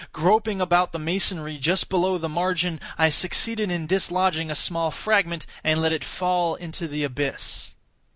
Groping about the masonry just below the margin, I succeeded in dislodging a small fragment, and let it fall into the abyss.